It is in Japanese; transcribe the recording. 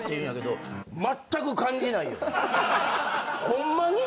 ホンマに？